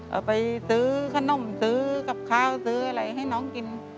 เอาไปซื้อขนมซื้อกับข้าวซื้ออะไรให้น้องกิน